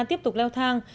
tiếp tục leo thang